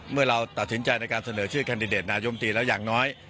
เมื่อเราตัดสินใจในการเสนอชื่อแคนดิเดตนายมตรีแล้วอย่างน้อย